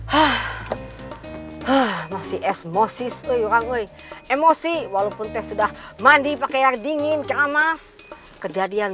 hah hah masih esmosis woi emosi walaupun teh sudah mandi pakai air dingin kiamas kejadian